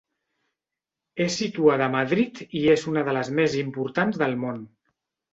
És situada a Madrid i és una de les més importants del món.